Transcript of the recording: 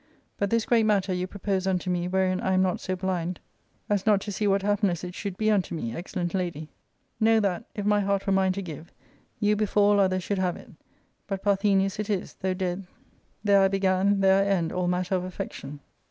But this great matter you propose unto me, wherein I am not so blind as not to see what happiness it should be unto me, excellent lady, know that, if my heart were mine to give, you before all j other should have it ; but Parthenia's it is^ though dead vl there I began^ there I end all matter of affection.